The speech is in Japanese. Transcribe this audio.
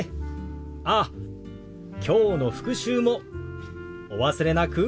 ああきょうの復習もお忘れなく。